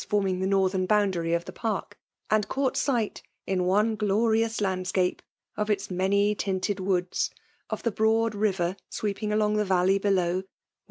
forming the northern boundary of the park, and caught sight> in one glorious landscape^ of its many tinted woods ^f the broa^l river sweeping along the valley below, with